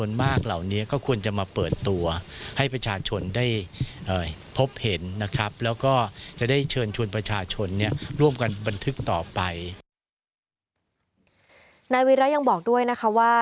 นายวีระยังบอกด้วยนะคะว่า